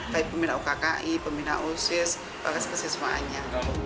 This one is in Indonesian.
baik pembina ukki pembina osis bahkan spesies semuanya